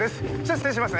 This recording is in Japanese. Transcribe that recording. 失礼しますね。